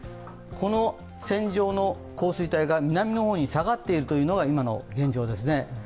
この線状の降水帯が南の方に下がっているというのが今の現状ですね。